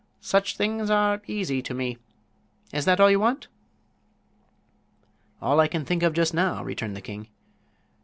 "Such things are easy to me. Is that all you want?" "All I can think of just now," returned the king.